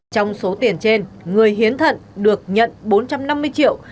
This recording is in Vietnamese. trong số tiền trên người hiến thận được nhận bốn trăm năm mươi triệu